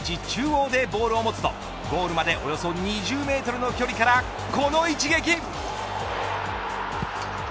中央でボールを持つとゴールまでおよそ２０メートルの距離からこの一撃。